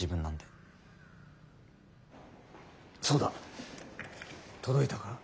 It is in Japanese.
そうだ届いたか？